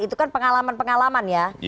itu kan pengalaman pengalaman ya